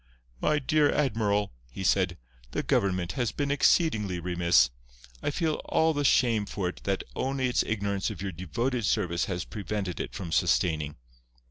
"My dear admiral," he said, "the government has been exceedingly remiss. I feel all the shame for it that only its ignorance of your devoted service has prevented it from sustaining.